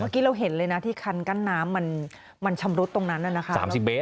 เมื่อกี้เราเห็นเลยนะที่คันกั้นน้ำมันชำรุดตรงนั้นแล้วนะคะ๓๐เบส